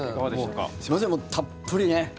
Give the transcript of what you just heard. すみませんたっぷりね。